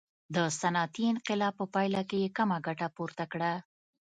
د صنعتي انقلاب په پایله کې یې کمه ګټه پورته کړه.